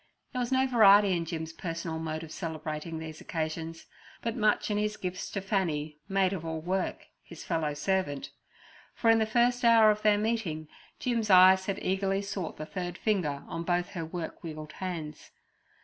There was no variety in Jim's personal mode of celebrating these occasions, but much in his gifts to Fanny, maid of all work, his fellow servant, for in the first hour of their meeting Jim's eyes had eagerly sought the third finger on both her work wealed hands.